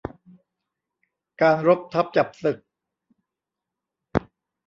การรบทัพจับศึก